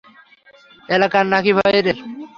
এলাকার না-কি বাইরের?